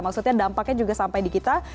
maksudnya dampaknya juga sampai di kita